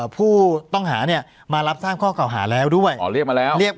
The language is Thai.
ผู้ต้องหาเนี่ยมารับทราบข้อเก่าหาแล้วด้วยอ๋อเรียกมาแล้วเรียก